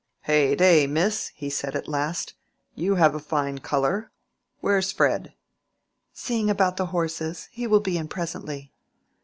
"Heyday, miss!" he said at last, "you have a fine color. Where's Fred?" "Seeing about the horses. He will be in presently."